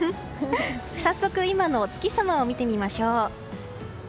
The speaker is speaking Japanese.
早速、今のお月様を見てみましょう。